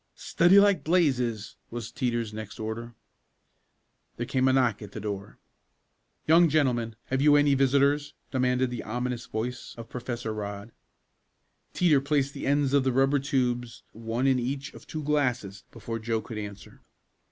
"Study like blazes!" was Teeter's next order. There came a knock at the door. "Young gentlemen have you any visitors?" demanded the ominous voice of Professor Rodd. Teeter placed the ends of the rubber tubes one in each of two glasses before Joe could answer.